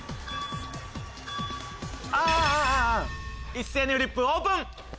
一斉にフリップオープン！